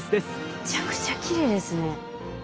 めちゃくちゃきれいですね。